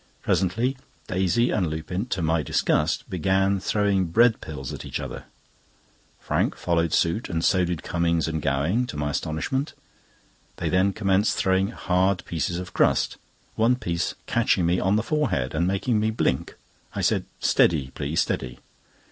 Presently Daisy and Lupin, to my disgust, began throwing bread pills at each other. Frank followed suit, and so did Cummings and Gowing, to my astonishment. They then commenced throwing hard pieces of crust, one piece catching me on the forehead, and making me blink. I said: "Steady, please; steady!"